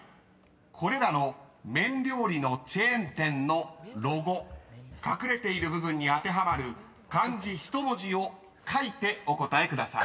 ［これらの麺料理のチェーン店のロゴ隠れている部分に当てはまる漢字１文字を書いてお答えください］